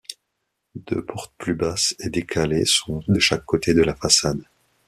Deux portes plus basses et décalées sont de chaque côté de la façade.